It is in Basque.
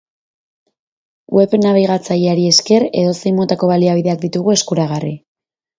Web nabigatzaileari esker, edozein motako baliabideak ditugu eskuragarri.